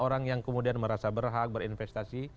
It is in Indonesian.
orang yang kemudian merasa berhak berinvestasi